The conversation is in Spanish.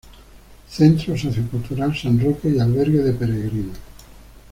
Centro Socio-Cultural San Roque y Albergue de Peregrinos.